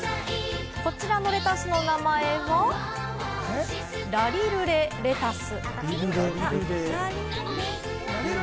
こちらのレタスの名前は、「らりるれレタス」。